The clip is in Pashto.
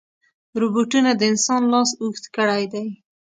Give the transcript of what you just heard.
روبوټونه د انسان لاس اوږد کړی دی.